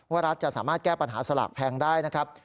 รัฐจะสามารถแก้ปัญหาสลากแพงได้นะครับ